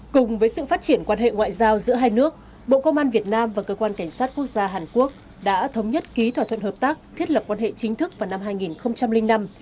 cùng với sự phát triển quan hệ ngoại giao giữa hai nước bộ công an việt nam và cơ quan cảnh sát quốc gia hàn quốc đã thống nhất ký thỏa thuận hợp tác thiết lập quan hệ chính thức vào năm hai nghìn năm